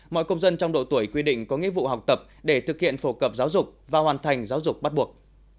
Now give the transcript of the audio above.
mọi công dân trong độ tuổi quy định có nghĩa vụ học tập để thực hiện phổ cập giáo dục và hoàn thành giáo dục bắt buộc